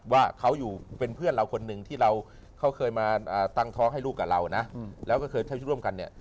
ว่าเขาอยู่เป็นเพื่อนเราคนหนึ่งที่เราเขาเคยมาตั้งท้องให้ลูกกับเรานะแล้วก็เคยเที่ยวชีวิตร่วมกันเนี่ย